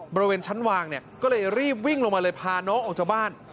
บริเวณชั้นวางเนี่ยก็เลยรีบวิ่งลงมาเลยพาน้องออกจากบ้าน